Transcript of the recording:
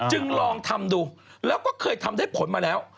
จึงลองทำดูแล้วก็เคยทำได้ผลมาแล้ว